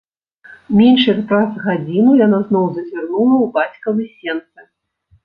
Менш як праз гадзіну яна зноў зазірнула ў бацькавы сенцы.